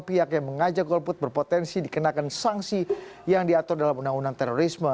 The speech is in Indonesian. pihak yang mengajak golput berpotensi dikenakan sanksi yang diatur dalam undang undang terorisme